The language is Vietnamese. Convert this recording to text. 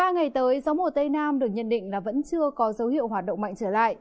ba ngày tới gió mùa tây nam được nhận định là vẫn chưa có dấu hiệu hoạt động mạnh trở lại